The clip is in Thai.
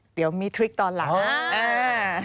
เดี๋ยวมีทริคตอนหลัง